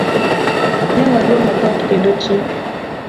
Ne waduong'o dhoot kendo chi